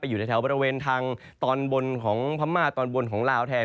อยู่ในแถวบริเวณทางตอนบนของพม่าตอนบนของลาวแทน